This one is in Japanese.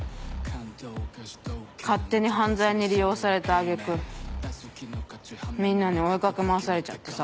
勝手に犯罪に利用された揚げ句みんなに追い掛け回されちゃってさ。